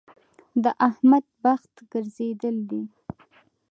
د احمد بخت ګرځېدل دی.